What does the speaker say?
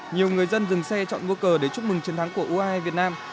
nhiều người dân dừng xe chọn mua cờ để chúc mừng chiến thắng của u hai mươi hai việt nam